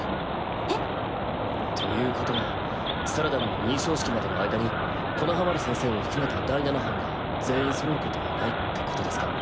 えっ。ということはサラダの認証式までの間に木ノ葉丸先生を含めた第七班が全員そろうことはないってことですか？